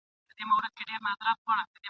هغه حق په ژوند کي نه سی اخیستلای !.